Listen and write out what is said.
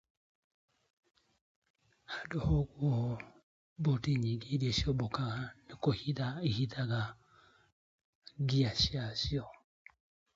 Other flying boats often retract the landing gear into the hull instead.